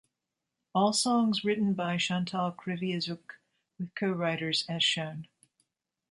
All songs written by Chantal Kreviazuk, with co-writers as shown.